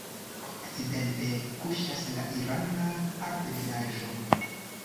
Okcidente kuŝas la Irana Altebenaĵo.